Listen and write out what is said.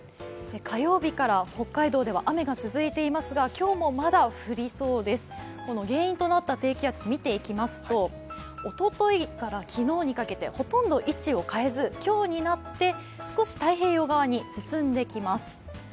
火曜日から北海道では雨が続いていますが原因となった低気圧見ていきますとおとといから昨日にかけて、ほとんど位置を変えず、今日になって少し太平洋側に進んできます。